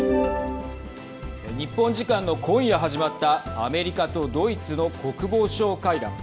日本時間の今夜始まったアメリカとドイツの国防相会談。